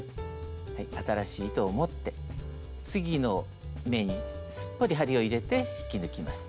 新しい糸を持って次の目にすっぽり針を入れて引き抜きます。